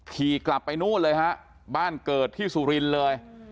ขี่กลับไปนู่นเลยฮะบ้านเกิดที่สุรินทร์เลย